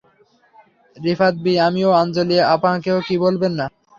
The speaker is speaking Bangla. রিপাত বি আমিও আঞ্জলি আমাকেও কি বলবেন না?